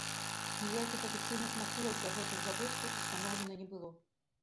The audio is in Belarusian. Ніякіх афіцыйных матываў для гэтых забойстваў ўстаноўлена не было.